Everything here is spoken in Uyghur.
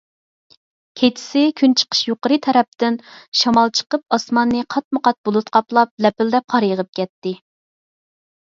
كېچىسى كۈنچىقىش يۇقىرى تەرەپتىن شامال چىقىپ، ئاسماننى قاتمۇقات بۇلۇت قاپلاپ، لەپىلدەپ قار يېغىپ كەتتى.